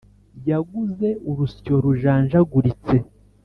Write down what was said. Yaguze urusyo rujanjaguritse.